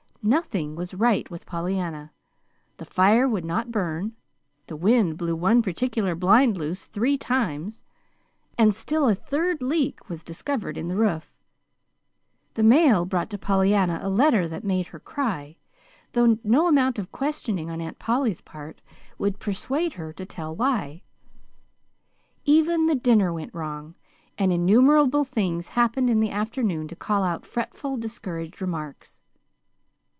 Nothing was right with Pollyanna. The fire would not burn, the wind blew one particular blind loose three times, and still a third leak was discovered in the roof. The mail brought to Pollyanna a letter that made her cry (though no amount of questioning on Aunt Polly's part would persuade her to tell why). Even the dinner went wrong, and innumerable things happened in the afternoon to call out fretful, discouraged remarks.